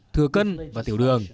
thừa cân và tiểu đường